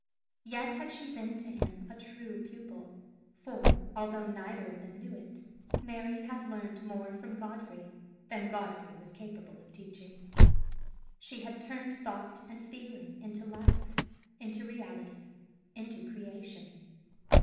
Yet had she been to him a true pupil; for, although neither of them knew it, Mary had learned more from Godfrey than Godfrey was capable of teaching. She had turned thought and feeling into life, into reality, into creation.